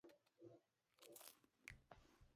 kukwamishwa na dhuluma za serikali zilizodumu kwa